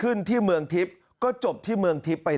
แถลงการแนะนำพระมหาเทวีเจ้าแห่งเมืองทิพย์